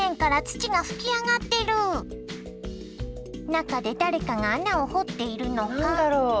中で誰かが穴を掘っているのか。